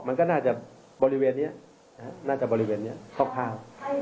มันก็น่าจะบริเวณนี้น่าจะบริเวณนี้คร่าว